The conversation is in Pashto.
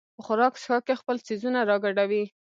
په خوراک څښاک کې خپل څیزونه راګډوي.